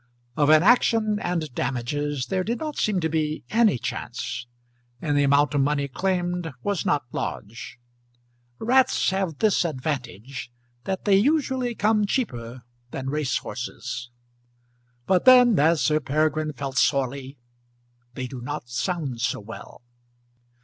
Of an action and damages there did not seem to be any chance, and the amount of money claimed was not large. Rats have this advantage, that they usually come cheaper than race horses; but then, as Sir Peregrine felt sorely, they do not sound so well.